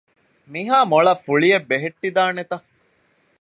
މިހާ މޮޅަށް ފުޅިއެއް ބެހެއްޓިދާނެތަ؟